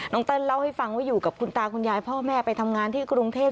เติ้ลเล่าให้ฟังว่าอยู่กับคุณตาคุณยายพ่อแม่ไปทำงานที่กรุงเทพ